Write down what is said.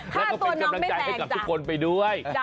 แล้วก็เป็นกำลังใจให้กับทุกคนไปด้วย